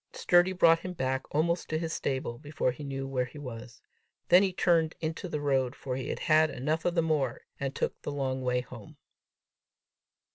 Sturdy brought him back almost to his stable, before he knew where he was. Then he turned into the road, for he had had enough of the moor, and took the long way home.